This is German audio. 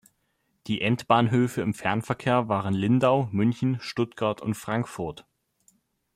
Die Endbahnhöfe im Fernverkehr waren Lindau, München, Stuttgart und Frankfurt.